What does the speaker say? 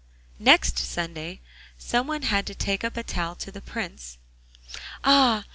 Next Sunday some one had to take up a towel to the Prince. 'Ah!